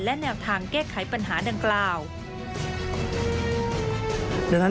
และแนวทางแก้ไขปัญหาดังกล่าว